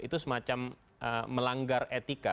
itu semacam melanggar etika